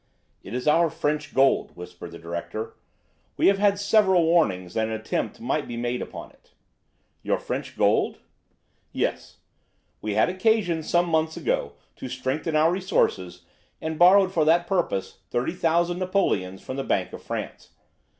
"It is our French gold," whispered the director. "We have had several warnings that an attempt might be made upon it." "Your French gold?" "Yes. We had occasion some months ago to strengthen our resources and borrowed for that purpose 30,000 napoleons from the Bank of France.